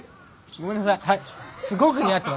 ごめんなさい。